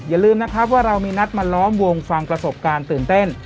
อย่าลืมนะครับว่าเรามีนัดมาล้อมวงฟังประสบการณ์ตื่นเต้น